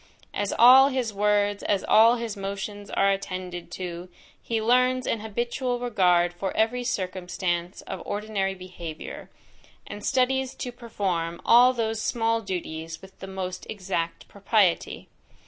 As all his words, as all his motions are attended to, he learns an habitual regard for every circumstance of ordinary behaviour, and studies to perform all those small duties with the most exact propriety.